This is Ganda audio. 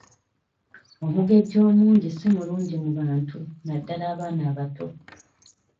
Omugejjo omungi si mulungi mu bantu naddala abaana abato.